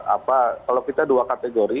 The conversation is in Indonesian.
apa kalau kita dua kategori